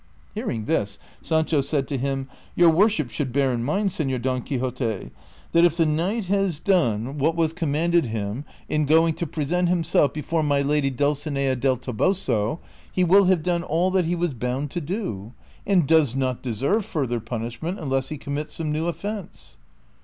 Hearing this, Sancho said to him, " Your worship should bear in mind, Senor Don Quixote, that if the knight has done 'In tlio original, ires aziimhres. 62 DON QUIXOTE. wliat was commanded liim in going to present himself before my lady Dulcinea del Toboso, lie will have done all that he was bound to do, and does not deserve further punishment imless he commits some new offence."